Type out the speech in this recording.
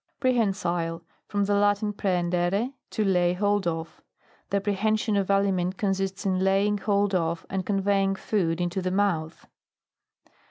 PREHENSILE. From the Latin, prc hendere, to lay hold of. The pre hension of aliment consists in lay. ing hold of, and conveying food in to the mouth.